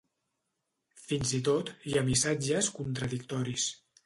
Fins i tot, hi ha missatges contradictoris.